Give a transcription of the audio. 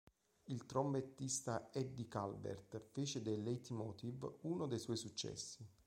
Il trombettista Eddie Calvert fece del "leitmotiv" uno dei suoi successi.